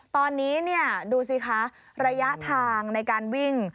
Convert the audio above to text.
ตอนนี้ดูสิคะระยะทางในการวิ่ง